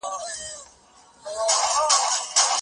ایا د مڼې په خوړلو سره د هاضمې سیسټم فعالېږي؟